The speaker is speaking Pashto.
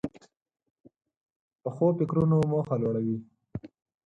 پخو فکرونو موخه لوړه وي